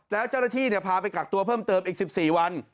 แล้วเจ้าหน้าที่พาไปกักตัวเพิ่มเติมอีก๑๔วัน